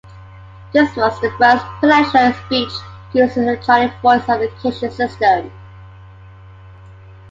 This was the first presidential speech to use an electronic voice amplification system.